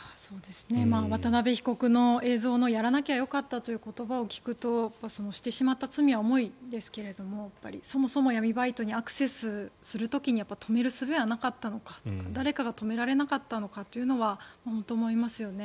渡邉被告の映像のやらなきゃよかったという言葉を聞くとしてしまった罪は重いんですけどそもそも闇バイトにアクセスする時に誰かが止められなかったのかとは思いますね。